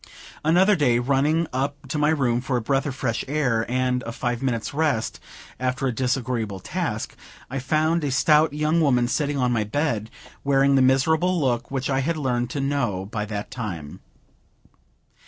Another day, running up to my room for a breath of fresh air and a five minutes' rest after a disagreeable task, I found a stout young woman sitting on my bed, wearing the miserable look which I had learned to know by that time.